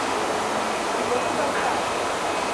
— Кузе кудалташ?